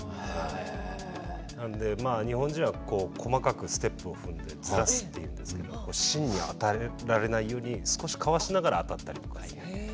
なので日本人は細かくステップを踏んでずらすって言うんですけど芯に当てられないように少しかわしながら当たったりとかします。